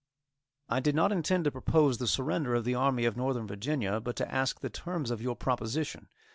I did not intend to propose the surrender of the Army of Northern Virginia, but to ask the terms of your proposition.